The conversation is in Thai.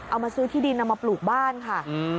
เอามาซื้อที่ดินเอามาปลูกบ้านค่ะ